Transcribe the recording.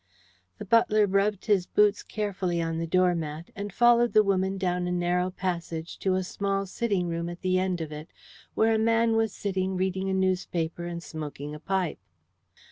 The butler rubbed his boots carefully on the doormat, and followed the woman down a narrow passage to a small sitting room at the end of it, where a man was sitting, reading a newspaper and smoking a pipe.